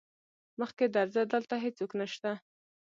مخکې درځه دلته هيڅوک نشته.